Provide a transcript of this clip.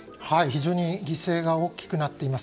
非常に犠牲が大きくなっています。